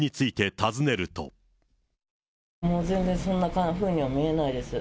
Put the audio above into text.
もう全然、そんなふうには見えないです。